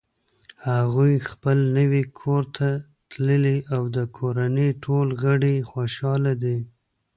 هغوی خپل نوی کور ته تللي او د کورنۍ ټول غړ یی خوشحاله دي